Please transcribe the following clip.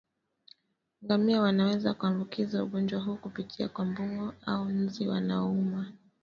Ngamia wanaweza kuambukizwa ugonjwa huu kupitia kwa mbung'o au nzi wanaouma